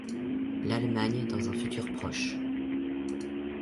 L'Allemagne dans un futur proche.